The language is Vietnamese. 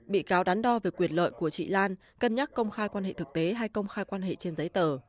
bị cáo đắn đo về quyền lợi của chị lan cân nhắc công khai quan hệ thực tế hay công khai quan hệ trên giấy tờ